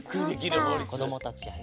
こどもたちやね。